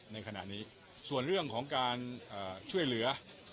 ในขณะนี้ส่วนเรื่องของการช่วยเหลือ